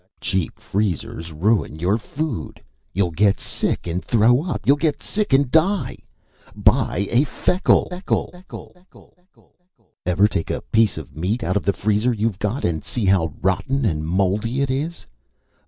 Cheap freezers ruin your food. You'll get sick and throw up. You'll get sick and die. Buy a Feckle, Feckle, Feckle, Feckle! Ever take a piece of meat out of the freezer you've got and see how rotten and moldy it is?